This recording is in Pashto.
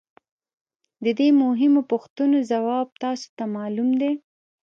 د دې مهمو پوښتنو ځواب تاسو ته معلوم دی